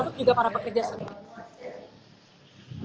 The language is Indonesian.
untuk juga para pekerja semua